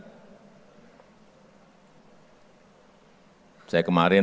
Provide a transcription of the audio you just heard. saya kemarin saya kemarin saya kemarin saya kemarin saya kemarin saya kemarin